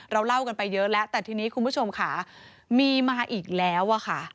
เล่ากันไปเยอะแล้วแต่ทีนี้คุณผู้ชมค่ะมีมาอีกแล้วอะค่ะ